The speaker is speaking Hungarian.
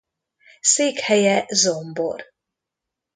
Székhelye Zombor.